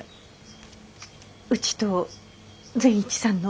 うちと善一さんの。